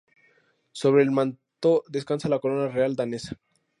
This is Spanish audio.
Sobre el manto descansa la corona real danesa.